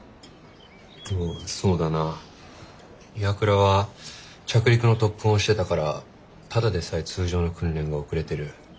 そうだな岩倉は着陸の特訓をしてたからただでさえ通常の訓練が遅れてる。